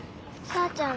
さーちゃん